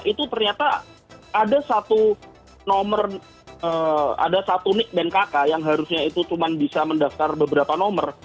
itu ternyata ada satu nik bnkk yang harusnya itu cuma bisa mendaftar beberapa nomor